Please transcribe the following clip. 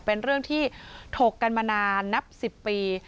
เป็นเรื่องที่ถกกันมานานนับ๑๐ปี